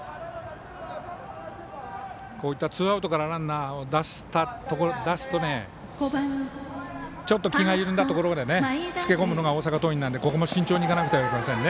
ツーアウトからランナーを出すとねちょっと気が緩んだところでつけ込むのが大阪桐蔭なのでここも慎重にいかなくてはいけませんね。